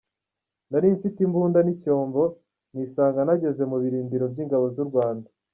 “Nari mfite imbunda n’icyombo nisanga nageze mu birindiro by’ingabo z’u Rwanda.